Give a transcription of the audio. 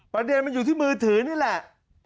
ประเด็นมันอยู่ที่มือถือนี่แหละ